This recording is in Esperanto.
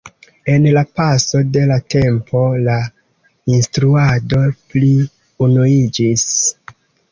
En la paso de la tempo la instruado pli unuiĝis.